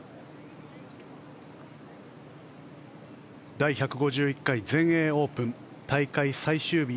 第１５１回全英オープン大会最終日。